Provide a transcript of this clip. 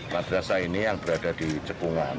madrasah ini yang berada di cekungan